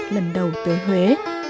lần đầu tới huế